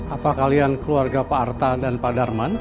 apa kalian keluarga pak arta dan pak darman